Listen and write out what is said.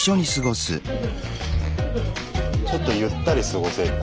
ちょっとゆったり過ごせんだ。